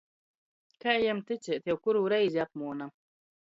Kai jam ticēt — jau kurū reizi apmuona!